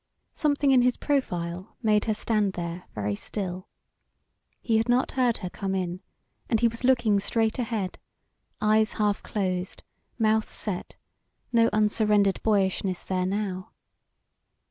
Something in his profile made her stand there very still. He had not heard her come in, and he was looking straight ahead, eyes half closed, mouth set no unsurrendered boyishness there now.